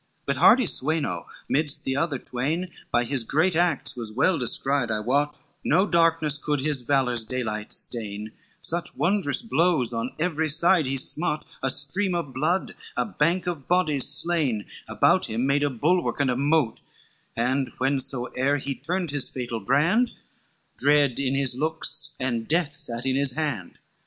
XIX "But hardy Sweno midst the other train, By his great acts was well descried I wot, No darkness could his valor's daylight stain, Such wondrous blows on every side he smote; A stream of blood, a bank of bodies slain, About him made a bulwark, and a mote, And when soe'er he turned his fatal brand, Dread in his looks and death sate in his hand.